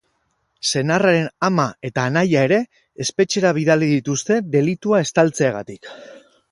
Senarraren ama eta anaia ere espetxera bidali dituzte delitua estaltzeagatik.